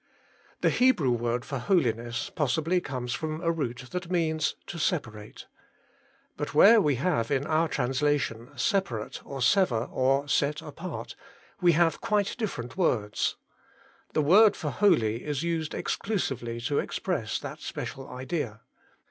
The Hebrew word for holiness possibly comes from a root that means to separate. But where we 90 HOLT IN CHRIST. have in our translation ' separate ' or ' sever ' or ' set apart/ we have quite different words. 1 The word for holy is used exclusively to express that special idea.